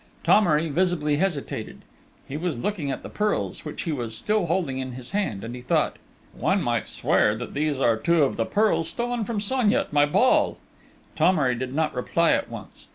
Thomery visibly hesitated.... He was looking at the pearls, which he was still holding in his hand, and he thought. "One might swear that these are two of the pearls stolen from Sonia at my ball!" Thomery did not reply at once.